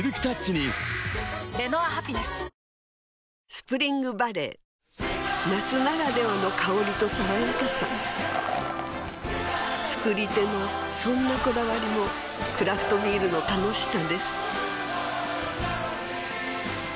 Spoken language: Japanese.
スプリングバレー夏ならではの香りと爽やかさ造り手のそんなこだわりもクラフトビールの楽しさです